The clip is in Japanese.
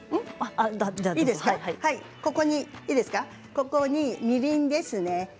ここに、みりんですね。